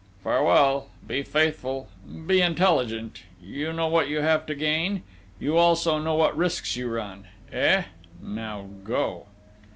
"Farewell! Be faithful! Be intelligent!... You know what you have to gain?... You also know what risks you run?... Eh!... Now go!"